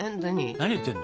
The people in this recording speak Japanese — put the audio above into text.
何言ってんの？